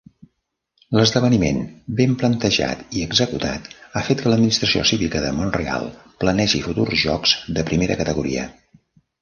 L'esdeveniment ben planejat i executat ha fet que l'administració cívica de Mont-real planegi futurs jocs de primera categoria.